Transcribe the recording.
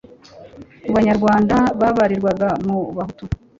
mu banyarwanda babarirwaga mu bahutu